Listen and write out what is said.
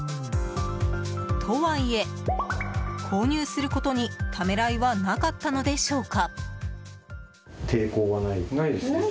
とはいえ、購入することにためらいはなかったのでしょうか。